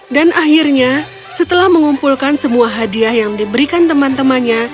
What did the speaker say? dan akhirnya setelah mengumpulkan semua hadiah yang diberikan teman temannya